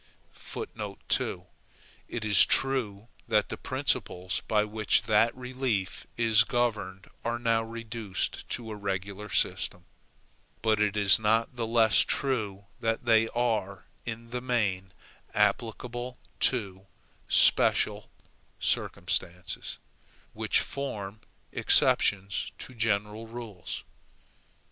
2. It is true that the principles by which that relief is governed are now reduced to a regular system; but it is not the less true that they are in the main applicable to SPECIAL circumstances, which form exceptions to general rules.